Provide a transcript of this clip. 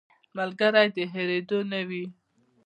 ملګری د هېرېدو نه وي